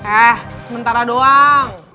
eh sementara doang